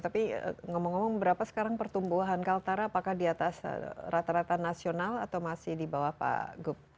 tapi ngomong ngomong berapa sekarang pertumbuhan kaltara apakah di atas rata rata nasional atau masih di bawah pak gup